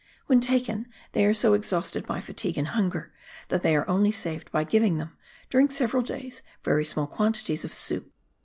When taken they are so exhausted by fatigue and hunger that they are only saved by giving them, during several days, very small quantities of soup.